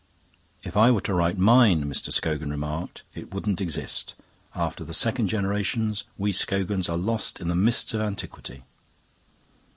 "If I were to write mine," Mr. Scogan remarked, "it wouldn't exist. After the second generation we Scogans are lost in the mists of antiquity."